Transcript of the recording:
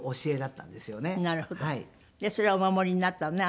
それはお守りになったのね